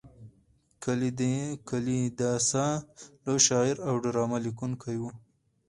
کالیداسا لوی شاعر او ډرامه لیکونکی و.